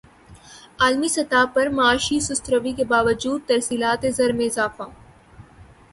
عالمی سطح پر معاشی سست روی کے باوجود ترسیلات زر میں اضافہ